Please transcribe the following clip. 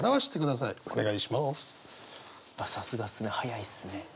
さすがっすね早いっすね。